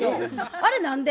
あれ何で？